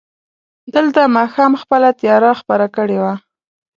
دلته ماښام خپله تياره خپره کړې وه.